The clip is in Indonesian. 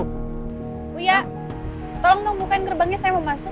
buya tolong nungguin gerbangnya saya mau masuk